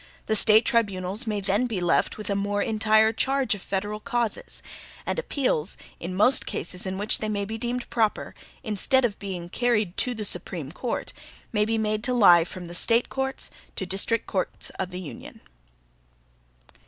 The State tribunals may then be left with a more entire charge of federal causes; and appeals, in most cases in which they may be deemed proper, instead of being carried to the Supreme Court, may be made to lie from the State courts to district courts of the Union.